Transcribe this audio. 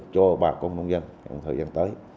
cho bà con nông dân